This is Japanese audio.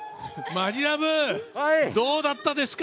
マヂラブ、どうだったですか。